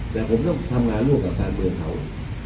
แต่ผมต้องทำงานร่วมกับการเมืองเขา